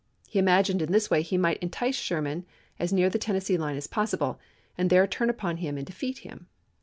He imagined in this way he might entice Sherman as near the Tennessee line as possible, and there turn upon him and defeat him.